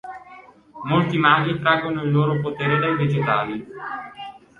Molti maghi traggono il loro potere dai vegetali.